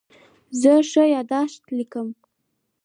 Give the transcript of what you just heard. زه ښه یادښت لیکم.